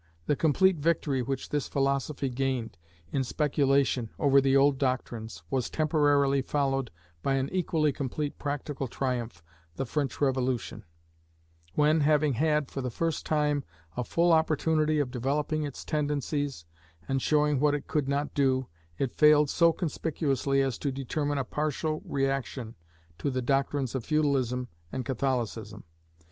The complete victory which this philosophy gained, in speculation, over the old doctrines, was temporarily followed by an equally complete practical triumph, the French Revolution: when, having had, for the first time, a full opportunity of developing its tendencies, and showing what it could not do, it failed so conspicuously as to determine a partial reaction to the doctrines of feudalism and Catholicism.